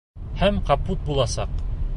Һәм капут буласаҡ.